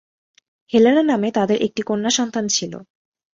Helena নামে তাদের একটি কন্যা সন্তান ছিল।